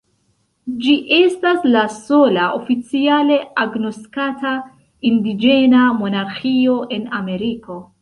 Ĝi estas la sola oficiale agnoskata indiĝena monarĥio en Ameriko.